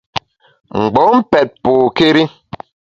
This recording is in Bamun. Mgbom pèt pokéri.